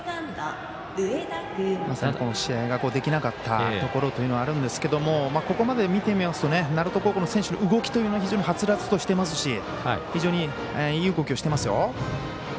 試合ができなかったところというのはあるんですけどここまで見てみますと鳴門高校の選手の動きというのは非常にはつらつとしていますし非常にいい呼吸をしてますよ。